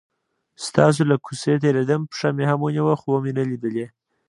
ستاسو له کوڅې تیرېدم، پښه مې هم ونیوه خو ومې نه لیدلې.